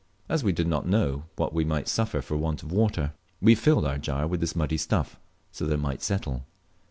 As we did not know what we might suffer for want of water, we filled our jar with this muddy stuff so that it might settle.